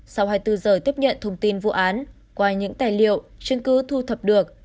sau hai mươi bốn giờ tiếp nhận thông tin vụ án qua những tài liệu chứng cứ thu thập được